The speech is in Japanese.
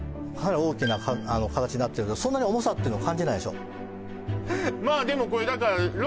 大きな形になってるけどそんなに重さ感じないでしょ